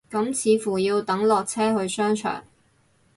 咁似乎要等落車去商場